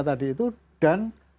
tadi itu dan